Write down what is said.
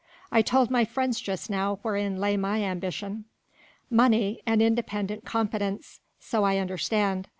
"I told my friends just now wherein lay my ambition." "Money an independent competence ... so I understand.